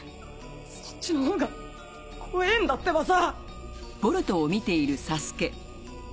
そっちのほうが怖えんだってばさ。